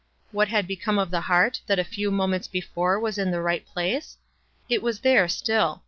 What had become of the heart that a few moments before was in the right place? It was there still.